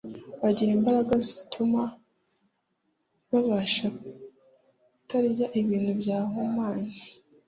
bagira imbaraga zituma babasha kutarya ibintu byahumanye